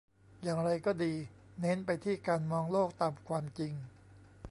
อย่างไรก็ดี เน้นไปที่การมองโลกตามความจริง